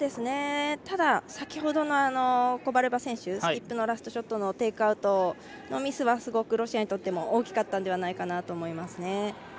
ただ、先ほどのコバレワ選手スキップのラストショットのテイクアウトのミスはすごくロシアにとっても大きかったのではないかと思います。